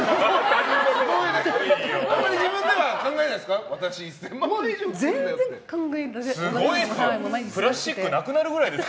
あんまり自分では考えないですか？